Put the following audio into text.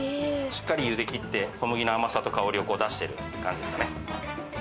しっかり茹で切って小麦の甘さと香りを出してる感じですかね。